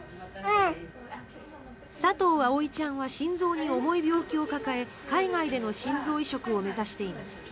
佐藤葵ちゃんは心臓に重い病気を抱え海外での心臓移植を目指しています。